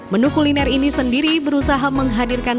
menu kuliner ini sendiri berusaha menghadirkan